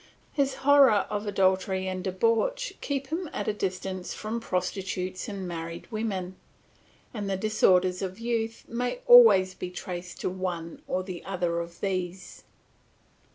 His horror of adultery and debauch keeps him at a distance from prostitutes and married women, and the disorders of youth may always be traced to one or other of these.